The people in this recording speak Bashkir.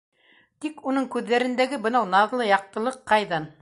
Тик уның күҙҙәрендәге бынау наҙлы яҡтылыҡ ҡайҙан?